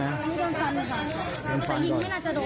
แล้วก็เลยหลบเข้าไปแล้วก็เห็นตัว